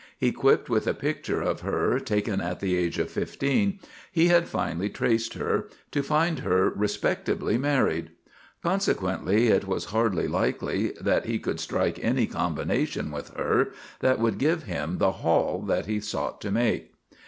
Equipped with a picture of her taken at the age of fifteen, he had finally traced her, to find her respectably married. Consequently, it was hardly likely that he could strike any combination with her that would give him the "haul" that he sought to make.